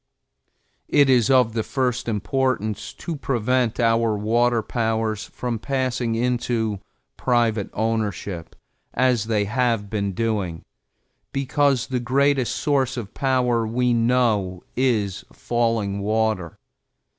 It is of the first importance to prevent our water powers from passing into private ownership as they have been doing, because the greatest source of power we know is falling water.